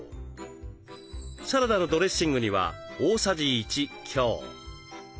サラダのドレッシングには大さじ１強。